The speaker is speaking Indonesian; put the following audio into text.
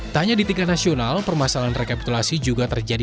tanya di tingkat nasional permasalahan rekapitulasi juga terjadi